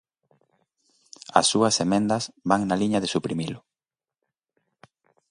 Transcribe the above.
As súas emendas van na liña de suprimilo.